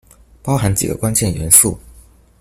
包含幾個關鍵元素